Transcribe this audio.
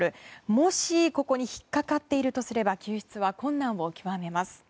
もし、ここに引っかかっているとすれば救出は困難を極めます。